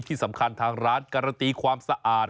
ที่สำคัญทางร้านการันตีความสะอาด